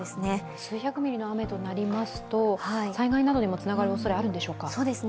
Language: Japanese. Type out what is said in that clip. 数百ミリの雨となりますと災害などにもつながるおそれがあるんでしょうか？